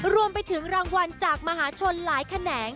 รวมไปถึงรางวัลจากมหาชนหลายแขนง